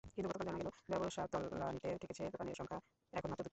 কিন্তু গতকাল জানা গেল ব্যবসা তলানিতে ঠেকেছে, দোকানের সংখ্যা এখন মাত্র দুটি।